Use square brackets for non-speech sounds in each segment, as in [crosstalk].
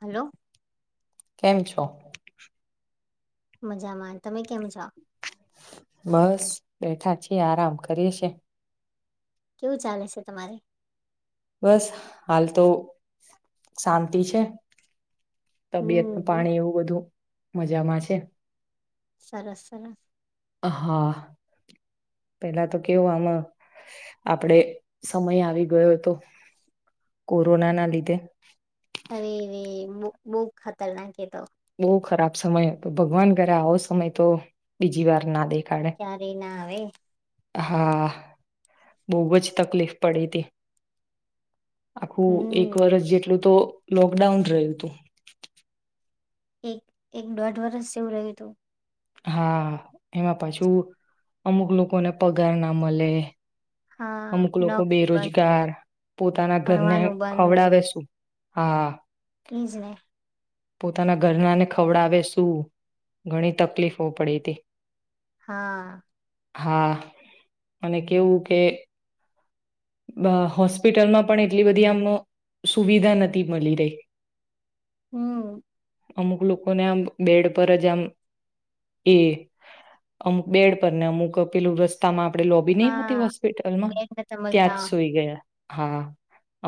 Hello કેમ છો? મજામાં તમે કેમ છો? બસ બેઠા છીએ આરામ કરીએ શે. કેવું ચાલે છે તમારે? બસ હાલ તો શાંતિ છે. તબિયત હમ પાણી એવું બધું મજામાં છે સરસ, સરસ હા, પેલા તો કેવું આમ આપડે સમય આવી ગયો હતો કોરોના ના લીધે અરે, રે બૂક બૂક ખતરનાક એતો બો ખરાબ સમય હતો ભગવાન કરે આવો સમય તો બીજી વાર ના દે ક્યારે ના [unintelligible] નય હા, બોવજ તકલીફ પડી તી આખું એક હમ વર્ષ જેટલું તો લોકડાઉન રહ્યું હતું એક, એક દોઢ વરષ જેવું રહ્યું હતું હા, એમાં પાછું અમુક લોકોને પગાર ના મલે હા અમુક લોકો નોકરી બંધ બેરોજગાર, પોતાના ઘરને ભણવાનું ખવડાવે શું હા એઈજ ને પોતાના ઘરનાને ખવડાવે શું ઘણી તકલીફો પડી તી હા હા, અને કેવું કે હોસ્પિટલમાં પણ એટલી બધી આમ સુવિધા નથી મલી રહી હમ અમુક લોકોને આમ બેડ પર જ આમ, એ અમુક બેડ પરને અમુક પેલું રસ્તામાં આપણેે લોબી નહી હોતી હા હોસ્પિટલમાં બેડ નતા મળતા ટસોઈ ગયા. હા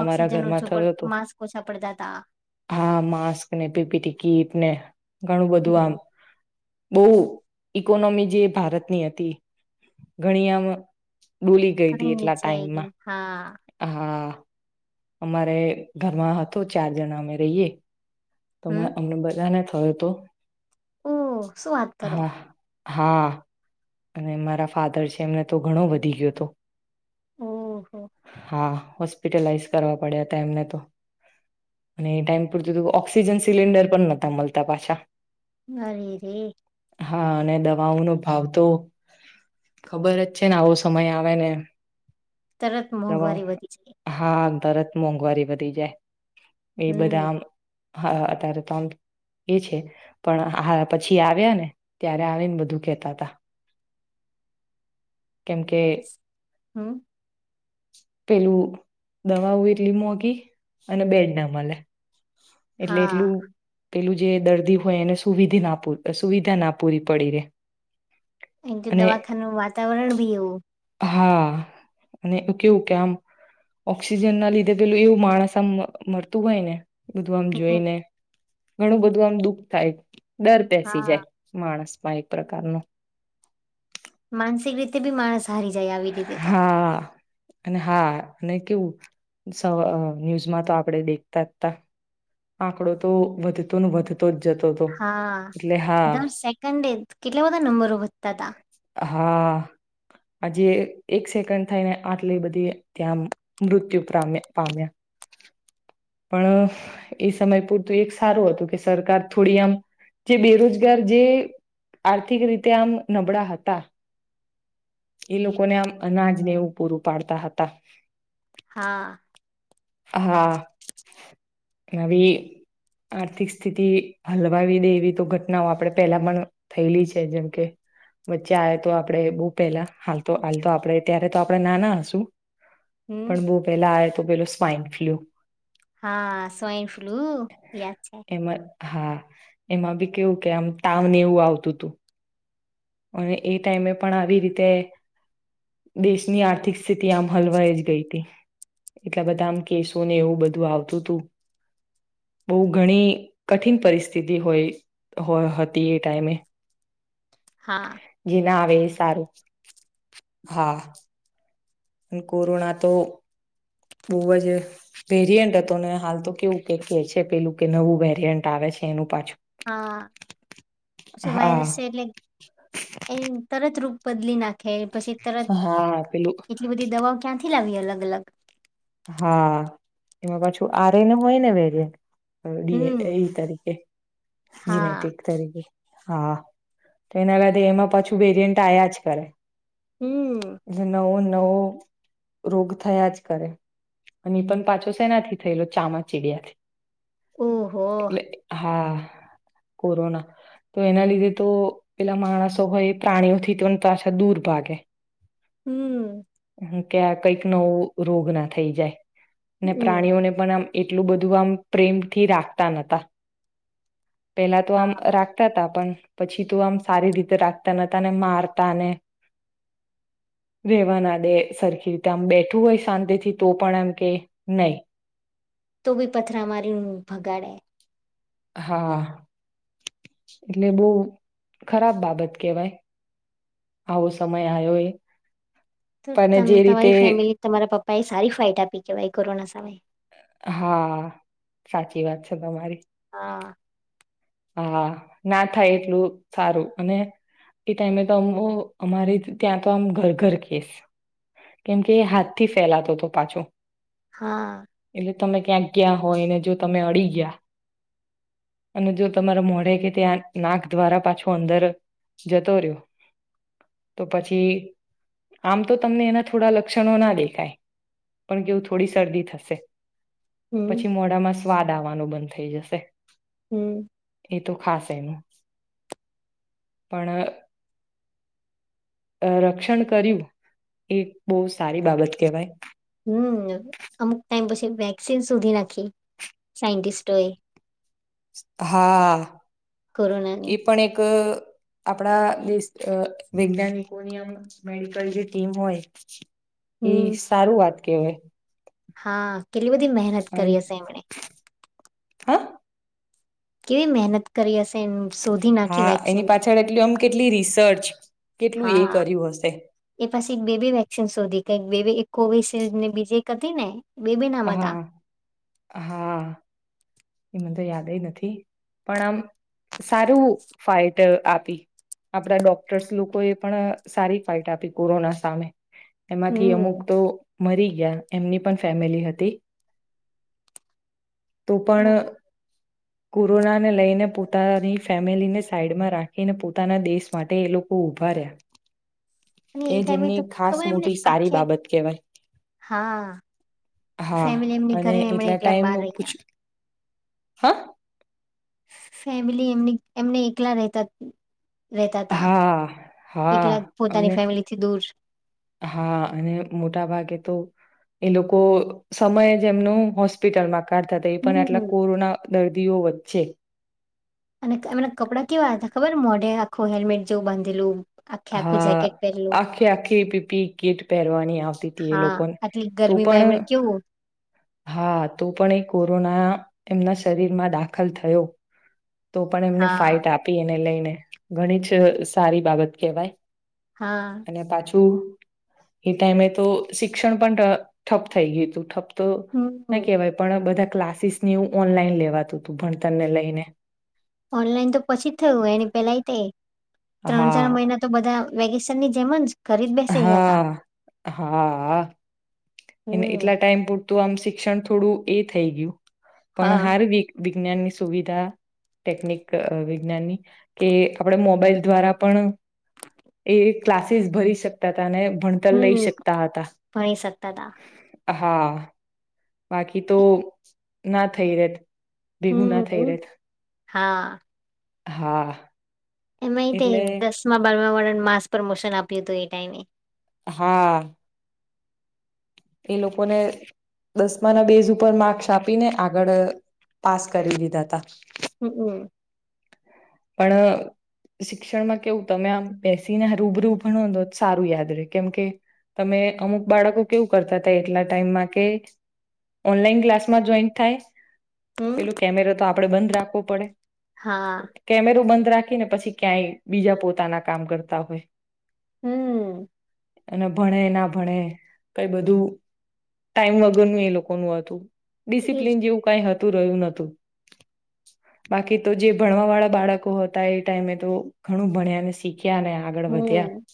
અમારા ઓક્સિજન ઘરમાં ઓછું થયો પણ હતો માસ્ક ઓછા પડતા હતા હા માસ્ક ને પીપી ટી ને ઘણું બધું આમ હમ બહુ ઈકોનોમી જે ભારતની હતી ઘણી આમ ડૂલી ગઈ હતી એટલા જ ટાઈમમાં હા. હા હા અમારે ઘરમાં હતું ચાર જણા અમે રહીએ. તો અમને બધાને થમે તો ઓ શું વાત કરો હા અને મારા ફાધર છે એમને તો ઘણો વધી ગયો હતો ઓહો હા હોસ્પિટલાઈઝ કરવા પડ્યા હતા એમને તો અને એ ટાઈમ પૂરતું ઓક્સિજન સિલિન્ડર પણ નતા મલતા પાછા અ રે રે હા, અને દવાઓ નો ભાવ તો ખબર જ છે ને આવો સમય આવે ને તરત દવા મોંઘવારી વધી જાય હા તરત મોંઘવારી વધી જાય એ હમ બધાઆમ હા, અત્યારે તોમ એ છે પણ આયા પછી આવ્યા ને ત્યારે આવીને બધું કેતા તા કેમ કે હમ પેલું દવાઓ એટલી મોંઘી અને બેડ ના મલે એટલે, હા એટલું પેલું જે દર્દી હોય એને સુવિધી ના પુરી સુવિધા ના પૂરી પડી રે એ, તો અને દવાખાનાનું વાતાવરણ ભી એવું હા, અને એવું કેવું કે આમ ઓક્સિજન ના લીધે પેલું એવું માણસ આમ મરતું હોય ને બધું આમ હમ જોઈ ને ઘણું બધું આમ દુઃખ થાય ડર બેસી હા જાય માણસ એક પ્રકાર નો માનસિક રીતે બી માણસ હારી જાય આવી રીતે તો હા અને હા અને કેવું ન્યૂઝમાં તો આપણે દેખતા જ તા આંકડો તો વધતો વધતો જ જતો હતો હા એટલે હા દર સેકન્ડે કેટલા બધા નંબરો વધતા હતા હા આજે એક સેકન્ડ થઈને આટલી બધી ત્યાં મૃત્યુ પામ્યા પામ્યા પણ એ સમય પૂરતું એક સારું હતું કે સરકાર થોડી આમ જે બેરોજગાર જે આર્થિક રીતે આમ નબળા હતા એ લોકોને આમ અનાજને એવું પૂરું પાડતા હતા હા હા નવી આર્થિક સ્થિતિ હલવાવી દે એવી તો ઘટનાઓ આપે પેલા પણ થયેલી છે જેમ કે વચ્ચે આવે તો આપણે બોહ પેલા હાલ તો હાલ તો આપડે ત્યારે તો આપડે નાના હશુ હમ પણ બોહ પેલા આટ તો પેલો સ્વાઈન ફ્લુ હા સ્વાઈન ફ્લૂ યાદ છે એમાં હા એમાં બી કેવું કે આમ તાવને એવું આવતું હતું અને એ ટાઈમે પણ આવી રીતે દેશની આર્થિક સ્થિતિ આમ હલવાઈ જ ગઈ હતી એટલા બધા આમ કેસોને એવું બધું આવતું હતું બહુ ઘણી કઠિન પરિસ્થિતિ હોય હતી એ ટાઈમે હા જે ના આવે સારું હા પણ કોરોના તો બહુ જ વેરિયન્ટ હતો ને હાલ તો કેવું કે કેહે છે પેલું કે નવું વેરિયન્ટ આવે છે એનું પાછું હા પછ વાયરસ હા છે એટલે એ તરત રૂ બદલીનાખ પછી તરત હા પેલું એટલી બધી દવાઓ ક્યાં ખિલાવી અલગ અલગ હા એમાં પાછું આ રને હોય ને વેગ ડી હમ એ તારીકેે હા જીનેટિક તરીકે હા, તો એના લીધે એમાં પાછું વેરિયન્ટ આયા જ કરે. હમ જે નવો નવો રોગ થયા જ કરે. અને એ પણ પાછો સેનાથી થયેલો ચામાર ચીડિયાથી. ઓહો એટલે હા. કોરોના, તો એના લીધે તો પેલા માણસો હોય, પ્રાણીઓથી પણ પાછા દૂર ભાગે. હમ્મ. કે કઈક નવો રોગ ના થઈ જાય. ને હમ પ્રાણીઓને પણ આમ એટલું બધું આમ પ્રેમથી રાખતા ન હતા પેલા, તો આમ રાખતા હતા પણ પછી તો, આમ સારી રીતે રાખતા ન હતા અને મારતા અને રહેેવાના સરખી રીતે આમ બેઠું હોય, શાંતિથી તો પણ એમ કે નહી તોબી પથરામારીને ભગાડે હા એટલે બો ખરાબ બાબત કેવાય આવો સમય આવ્યો એ તો, પણ જે રીતે તમારી ફેમિલી તમારા પપ્પા ભાઈ સારી ફાઈટ આપી કેવાય કોરોના સામે. હા, સાચી વાત છે તમારી. હા. હા, ના થાય એટલું સારું અને એ ટાઈમે તો, અમ અમારે ત્યાં તો આમ ઘર-ઘર કેસ કેમકે હાથથી ફેલાતો હતો પાછો. હા. એટલે તમે ક્યાંક ગયા હોય ને જો તમે અડી ગયા, અને જો તમારા મોઢે કે ત્યાં નાક દ્વારા પાછું અંદર જતો રહ્યો, તો પછી આમ તો તમને એના થોડા લક્ષણો ના દેખાય, પણ કેવું થોડી શરદી થશે. હમ પછી મોડામાં સ્વાદ આવવાનું બંધ થઈ જશે. હમ્મ. એ તો ખાસ એનું, પણ અ રક્ષણ કર્યું, એ બોવ સારી બાબત કહેવાય. હમ્મ, અમુક ટાઈમ પછી વેક્સિન શોધી નાખી સાઈન્ટિસ્ટોએ. હા, કોરોનાની એ પણ એક આપણા દેશ વૈજ્ઞાનિકોની આમ મેડિકલ, જે ટીમ હોય એ હમ સારું વાત કે હા, કે એટલી બધી મહેનત કરી હશે એમણે. હા કેવી મહેનત કરી હશે એમ શોધી નાખી હા વેક્સિન એની પાછળ એટલી આમ કેટલી રિસર્ચ કેટલું એ હા કર્યું હશે એ પછી બે બે વેક્સિન શોધી કઈક બે કોવિશિલ્ડ ને બીજી એક હતી ને બે બે નામ હતા હા હા એ મ તો યાદય નથી પણ આમ સારું ફાઈઇટ આપી આપડા ડોક્ટર્સ લોકો એ પણ સારી ફાઈટ આપી કોરોના સામે એમાંથી અમુક હમ તો મરી ગયા એમની પણ ફેમિલી હતી તો પણ કોરોનાને લઈને પોતાની ફેમિલીને સાઈડમાં રાખીને પોતાના દેશ માટે એ લોકો ઉભા રહ્યા અને એ ટાઈમે જેમની તો ખાસ ખબર એમને મોટી સારી આખે બાબત કહેવાય હા હા ફેમિલી એમની અને ઘરે એમણે એટલા એકલા ટાઈમ બાર પૂછ રહીયા [unintelligible] ફેમિલી એમની એમને એકલા રહેતા જ હા હા એકલા પોતાની અને ફેમિલીથી દૂર હા અને મોટા ભાગે તો એ લોકો સમય જે એમનું હોસ્પિટલમાં કાઢતા હતા એ પણ હમ આટલા કોરોના દર્દીઓ વચ્ચે અને એમના કપડા કેવા હતા ખબર મોઢે આખું હેલ્મેટ જેવું બાંધેલું આખે આખું હા જેકેટ પહેરેલું આખી આખી પીપી કીટ પહેરવાની આવતી હતી એ હા લોકોને આટલી તો ગરમીમાં પણ એમણે કેવું હા તો પણ એ કોરોના એમના શરીરમાં દાખલ થયો તો પણ એમને હા ફાઇટ આપી એને લઈને ઘણી જ સારી બાબત કેવાય હા એ ટાઈમે તો શિક્ષણ પણ ઠપ થઈ ગયું હતું, ઠપ તો, ના હમ કહેવાય પણ બધા ક્લાસીસ ની એવુ ઓનલાઈન લેવાતું હતું ભણતર ને લઈને ઓનલાઈન તો પછી થયું એને પેલાય તે ત્રણ, ચાર, હા મહિના તો બધા વેકેશન ની જેમજ હા, હા એ હમ એટલા ટાઈમ પૂ તો આમ શિક્ષણ થોડું એ થઈ ગયું પણ હા હારુ વિજ્ઞાનની સુવિધા, ટેકનિક વિજ્ઞાનની કે આપણે મોબાઈલ દ્વારા પણ એ ક્લાસીસ ભરી શકતા હતા અને ભણતર લઈ શકતા હતા તદા હા બાકી તો ના થઈરેત ભેઘુ ના હમ થઈરેત હા હા એમાય તે એટલે દસ માં બાર વાળા માસ પ્રમોશન આપ્યુ હતુ એ ટાઈમે હા એ લોકોને દસમા ના બેઝ ઉપર માર્ક્સ આપીને આગળ પાસ કરી દીધા હતા હમ, હમ પણ શિક્ષણમા કેવુ તમે આમ બેસીને રૂબરૂ ભણો તો જ સારું યાદ રે કેમકે તમે અમુક બાળકો કેવુ કરતા હતા એટલા ટાઈમમા કે ઓનલાઈન ક્લાસમા જોઈન થાય હમ પેલુ કેમેરા તો આપ આપડે બંધ રાખવો પડે હા કેમેરો બંધ રાખી ને પછી ક્યાંય બીજા પોતાના કામ કરતા હોય હમ અને ભણે ના ભણે કઈ બધુ ટાઈમ વગર નુ એ લોકો નું હતુ એજ ડિસિપ્લિન જેવુ કાઈ હતું રહ્યુ નતુ, બાકી તો, જે ભણવા વાળા બાળકો હતા એ ટાઈમે તો ઘણુ ભણ્યાને શીખ શીખ્યા ને આગળ વધ્યા હમ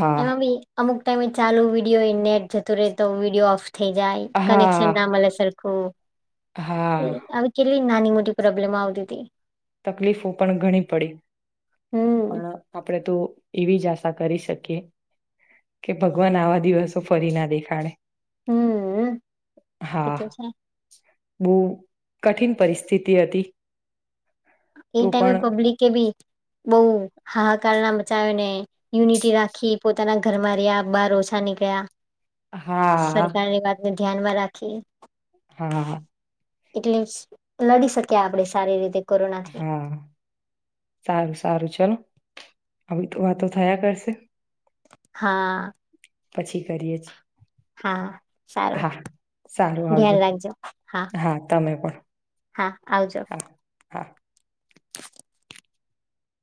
હા એમાં બી અમુક ટાઈમે ચાલુ વિડીયો નેટ જતુ રહે તો વિડીયો ઓફ થઈ જાય કનેક્શન ના હા મલે સર કો હા આવી કેટલી નાની મોટી પ્રોબ્લેમ આવતી તી તકલીફો પણ ઘણી પડી હમ પણ આપણે તો એવી જ આશા કરી શકીએ કે ભગવાન આવા દિવસો ફરી ના દેખાડે હમ એતો છે. બો કઠિન પરિસ્થિતિ હતી. એ તો ટાઈમે પણ પબ્લિક કે બી બોવ હાહાકાર ના મચાવેને યુનિટી રાખી પોતાના ઘરમા રહ્યા બહાર ઓછા નીકળ્યા. હા સરકારની વાત ધ્યાનમા રાખી હા એટલે લડી શક્યા આપડે સારી રીતે કોરોના હા સારું સારું ચલો આવી તો વાતો થયા કરશે. હા પછી કરીએે જ હા સારું સારું આવજો ધ્યાન રાખજો હા તમે પણ હા આવજો હા હા [inaudible]